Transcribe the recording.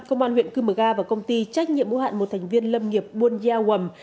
công an huyện cư mực a và công ty trách nhiệm bố hạn một thành viên lâm nghiệp buôn gia uầm